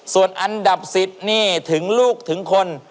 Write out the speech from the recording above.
ส่วนอันดับ๑๐นี่ถึงลูกถึงคน